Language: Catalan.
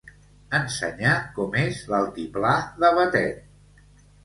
Ensenyar com és l'altiplà de Batet.